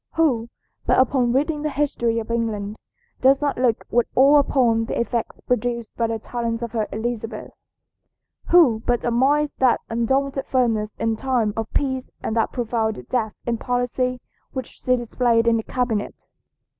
Who, but upon reading the history of England, does not look with awe upon the effects produced by the talents of her Elizabeth? Who but admires that undaunted firmness in time of peace and that profound depth of policy which she displayed in the cabinet?